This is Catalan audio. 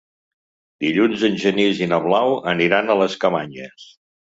Dilluns en Genís i na Blau aniran a les Cabanyes.